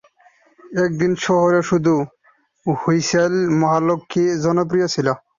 এতদিন শহরে শুধু হুইসেল মহালক্ষী জনপ্রিয় ছিলো।